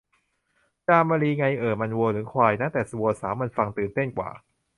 จามรี ไง เอ่อ มัน วัวหรือควายนะ แต่วัวสาวมันฟังตื่นเต้นกว่า